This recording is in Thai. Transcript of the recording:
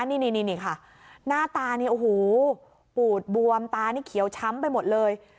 นี่ค่ะหน้าตานี่โอ้โหปูดบวมตานี่เขียวช้ำไปหมดเลย